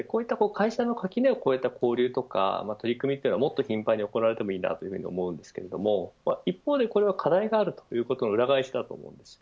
会社の垣根を越えた交流とか取り組みはもっと頻繁に行われてもいいなと思うんですけれど一方でこれは課題があることの裏返しだと思います。